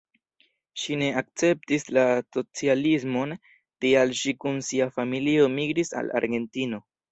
Ŝi ne akceptis la socialismon, tial ŝi kun sia familio migris al Argentino.